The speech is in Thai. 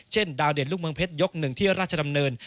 ดาวเด่นลูกเมืองเพชรยก๑ที่ราชดำเนิน